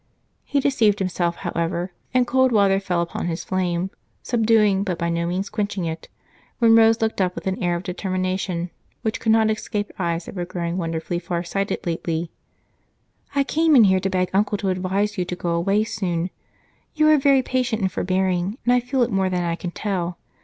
He deceived himself, however, and cold water fell upon his flame, subduing but by no means quenching it, when Rose looked up with an air of determination which could not escape eyes that were growing wonderfully farsighted lately. "I came in here to beg Uncle to advise you to go away soon. You are very patient and forbearing, and I feel it more than I can tell.